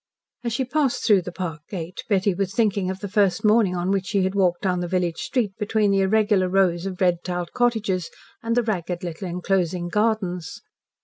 As she passed through the park gate Betty was thinking of the first morning on which she had walked down the village street between the irregular rows of red tiled cottages with the ragged little enclosing gardens.